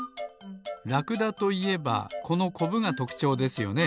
ラクダといえばこのコブがとくちょうですよね。